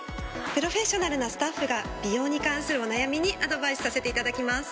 プロフェッショナルなスタッフが美容に関するお悩みにアドバイスさせていただきます。